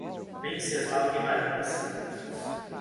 Wenceslau Guimarães